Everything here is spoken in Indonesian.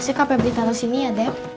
masuk apa beli taro sini ya dep